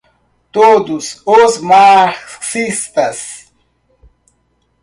todos os marxistas